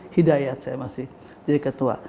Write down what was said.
hidayat saya masih jadi ketua